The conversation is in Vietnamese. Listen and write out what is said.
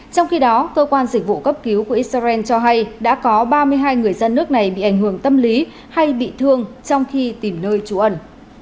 trong khi đó cơ quan dịch vụ cấp cứu của israel cho hay đã có ba mươi hai người dân nước này bị ảnh hưởng tâm lý hay bị thương trong khi tìm nơi trú ẩn